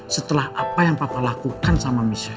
setelah apa yang papa lakukan sama michelle